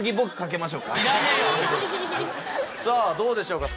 さぁどうでしょうか？